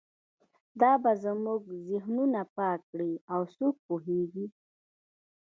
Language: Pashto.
دا به زموږ ذهنونه پاک کړي او څوک پوهیږي